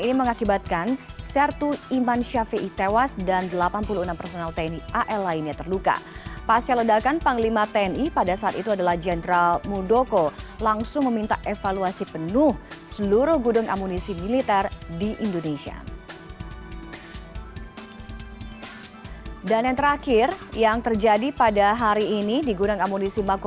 insiden terburuk terjadi pada seribu sembilan ratus delapan puluh empat di indonesia